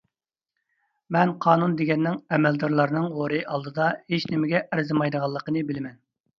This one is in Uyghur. مەن قانۇن دېگەننىڭ ئەمەلدارلارنىڭ ھورى ئالدىدا ھېچنېمىگە ئەرزىمەيدىغانلىقىنى بىلىمەن.